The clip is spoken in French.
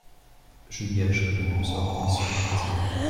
Je gage que le même sort lui sera réservé.